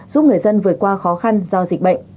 giúp người dân vượt qua khó khăn do dịch bệnh